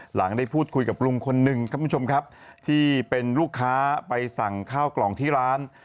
หลังได้พูดคุยกับลุงคนหนึ่งครับคุณผู้ชมครับที่เป็นลูกค้าไปสั่งข้าวกล่องที่ร้าน